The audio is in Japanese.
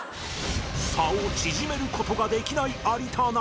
差を縮める事ができない有田ナイン